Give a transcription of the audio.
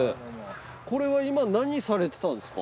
これは今何されてたんですか？